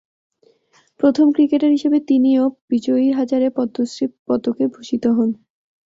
প্রথম ক্রিকেটার হিসেবে তিনি ও বিজয় হাজারে পদ্মশ্রী পদকে ভূষিত হন।